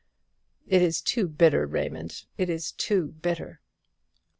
It is too bitter, Raymond; it is too bitter!"